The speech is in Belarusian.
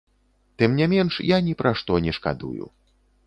Тым не менш, я ні пра што не шкадую.